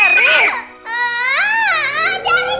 sherry gak mau tidur disini